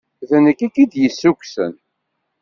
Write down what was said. D nekk i k-id-yessukksen.